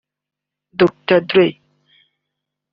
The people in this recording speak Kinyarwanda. Dr Dre